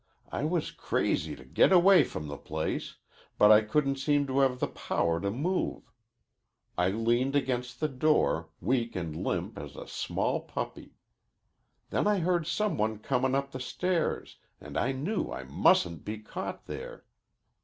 I was crazy to get away from the place, but I couldn't seem to have the power to move. I leaned against the door, weak and limp as a small puppy. Then I heard some one comin' up the stairs, and I knew I mustn't be caught there.